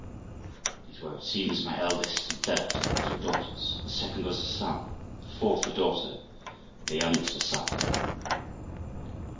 These were, it seems, my eldest and third, which were daughters ; the second was a son, the fourth a daughter, and the youngest a son.